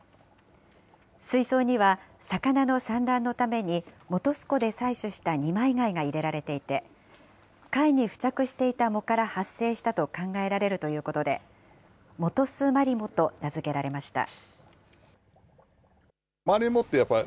水槽には魚の産卵のために本栖湖で採取した二枚貝が入れられていて、貝に付着していた藻から発生したと考えられるということで、モトスマリモと名付けられました。